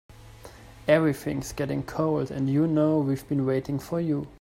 Everything's getting cold and you know we've been waiting for you.